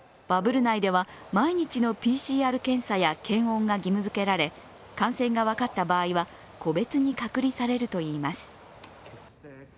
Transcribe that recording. バブル内では毎日のＰＣＲ検査や検温が義務づけられ感染が分かった場合は個別に隔離されるといいます。